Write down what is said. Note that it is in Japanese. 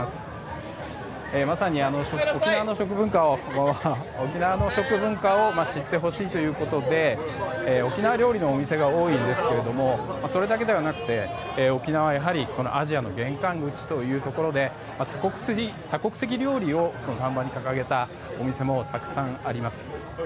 まさに沖縄の食文化を知ってほしいということで沖縄料理のお店が多いんですがそれだけではなくて沖縄は、やはりアジアの玄関口ということで多国籍料理を看板に掲げたお店もたくさんあります。